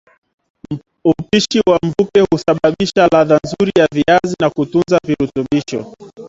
Upishi wa mvuke husababisha ladha nzuri ya viazi na kutunza virutubisho